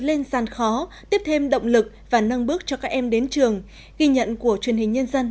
lên sàn khó tiếp thêm động lực và nâng bước cho các em đến trường ghi nhận của truyền hình nhân dân